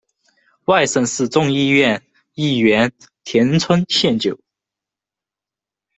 外甥是众议院议员田村宪久。